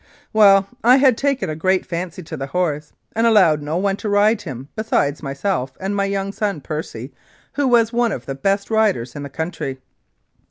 Well, I had taken a great fancy to the horse, and allowed no one to ride him besides myself and my young son Percy, who was one of the best riders in the country.